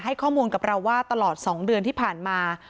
ข้อมูลกับเราว่าตลอด๒เดือนที่ผ่านมา